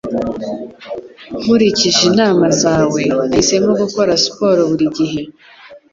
Nkurikije inama zawe, Nahisemo gukora siporo buri gihe